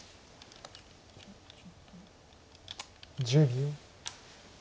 １０秒。